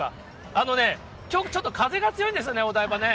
あのね、きょう、ちょっと風が強いんですよね、お台場ね。